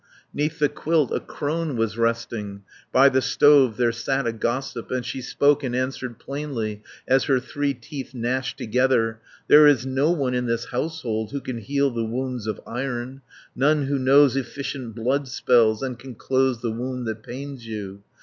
'Neath the quilt a crone was resting, By the stove there sat a gossip, 250 And she spoke and answered plainly, As her three teeth gnashed together, "There is no one in this household, Who can heal the wounds of iron, None who knows efficient blood spells, And can close the wound that pains you.